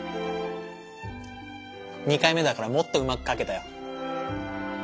２回目だからもっとうまく描けたよ。